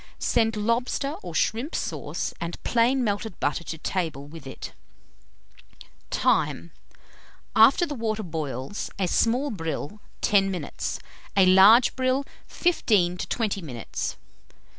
Send lobster or shrimp sauce and plain melted butter to table with it. Time. After the water boils, a small brill, 10 minutes; a large brill, 15 to 20 minutes.